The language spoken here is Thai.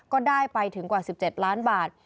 ก็ได้ไปถึงกว่า๑๗ล้านบาท